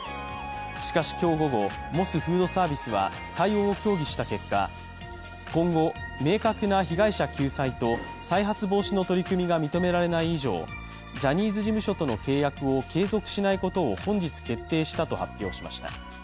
しかし今日午後、モスフードサービスは、対応を協議した結果、今後、明確な被害者救済と再発防止の取り組みが認められない以上ジャニーズ事務所との契約を継続しないことを本日決定したと発表しました。